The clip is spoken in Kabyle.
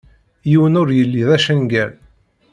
Yiwen ur yelli d acangal.